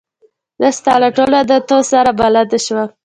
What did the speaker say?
زه ستا له ټولو عادتو سره بلده شوم.